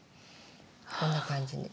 こんな感じに。